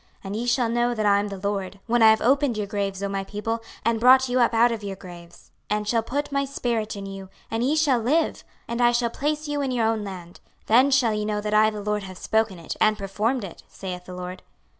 26:037:013 And ye shall know that I am the LORD, when I have opened your graves, O my people, and brought you up out of your graves, 26:037:014 And shall put my spirit in you, and ye shall live, and I shall place you in your own land: then shall ye know that I the LORD have spoken it, and performed it, saith the LORD.